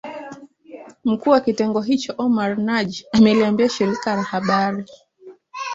Mkuu wa kitengo hicho Omar Naji ameliambia shirika la habari